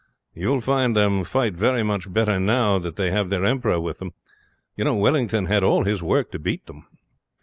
"You will find them fight very much better now they have their emperor with them. You know, Wellington had all his work to beat them."